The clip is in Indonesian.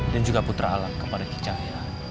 dan juga putra alam kepada kicaya